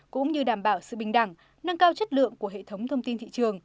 cũng như đảm bảo sự bình đẳng nâng cao chất lượng của hệ thống thông tin thị trường